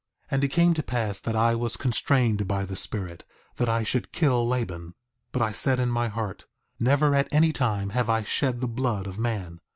4:10 And it came to pass that I was constrained by the Spirit that I should kill Laban; but I said in my heart: Never at any time have I shed the blood of man.